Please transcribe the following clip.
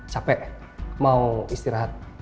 capek mau istirahat